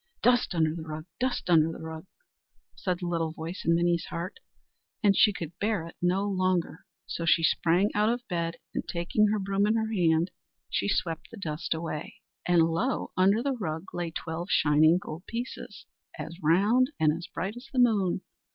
"Dust under the rug! dust under the rug!" said the little voice in Minnie's heart, and she could bear it no longer. So she sprang out of bed, and, taking her broom in her hand, she swept the dust away; and lo! under the rug lay twelve shining gold pieces, as round and as bright as the moon.